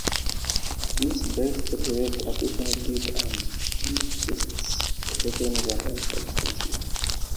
This breakthrough led to additional dip-and-read tests for proteins and other substances.